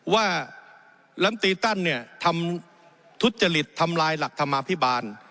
ว่าลำตีตันเนี่ยทำทุจริตทำลายหลักธรรมาภิบาล